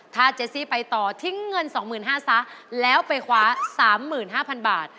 ถ้าเจซี่ไปต่อทิ้งเงิน๒๕๐๐ซะแล้วไปคว้า๓๕๐๐๐บาท